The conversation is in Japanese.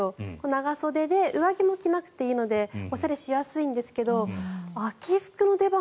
長袖で上着も着なくていいのでおしゃれしやすいですが秋服の出番